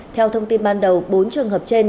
theo thông tin ban đầu bốn trường hợp trên